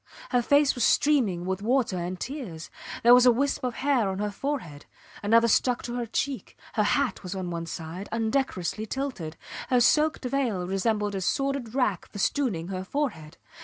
Her face was streaming with water and tears; there was a wisp of hair on her forehead, another stuck to her cheek; her hat was on one side, undecorously tilted; her soaked veil resembled a sordid rag festooning her forehead.